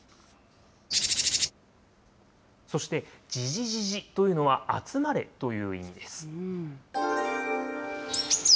そして、ヂヂヂヂというのは集まれという意味です。